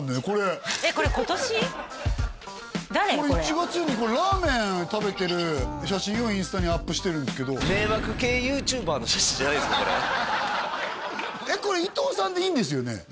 これ１月にラーメン食べてる写真をインスタにアップしてるんですけどじゃないですよね？